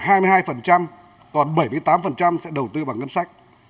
khoảng hai mươi hai còn bảy mươi tám sẽ đầu tư bằng ngân sách